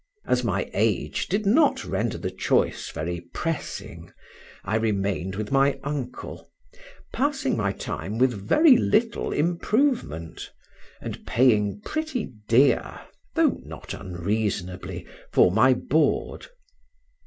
As my age did not render the choice very pressing, I remained with my uncle, passing my time with very little improvement, and paying pretty dear, though not unreasonably, for my board.